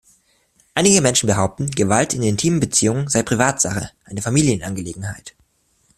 Einige Menschen behaupten, Gewalt in intimen Beziehungen sei Privatsache, eine Familienangelegenheit.